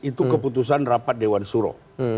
itu keputusan rapat dewan suro